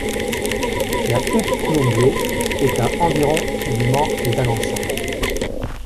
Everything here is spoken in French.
La Hutte - Coulombiers est à environ du Mans et d'Alençon.